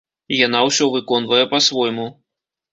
Яна ўсё выконвае па-свойму.